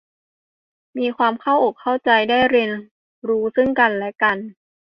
มีความเข้าอกเข้าใจได้เรียนรู้กันและกัน